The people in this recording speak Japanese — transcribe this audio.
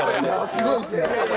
すごいですね